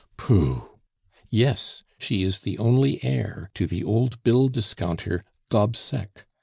"Pooh!" "Yes, she is the only heir to the old bill discounter Gobseck.